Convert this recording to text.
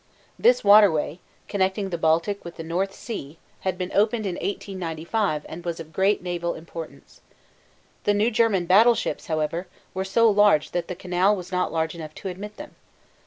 This waterway, connecting the Baltic with the North Sea, had been opened in 1895 and was of great naval importance. The new German battleships, however, were so large that the canal was not large enough to admit them.